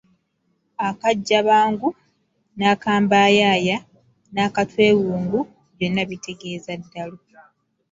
Akajabangu n’akambayaaya n’akatwewungu byonna bitegeeza ddalu.